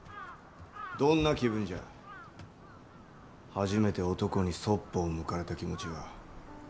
初めて男にそっぽを向かれた気持ちは。